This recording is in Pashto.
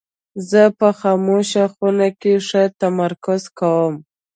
زه په خاموشه خونه کې ښه تمرکز کوم.